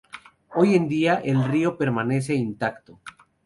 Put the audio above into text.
Hoy en día, el río permanece intacto.